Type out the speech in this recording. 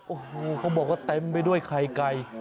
โอ้โหเขาบอกว่าเต็มไปด้วยไข่ไก่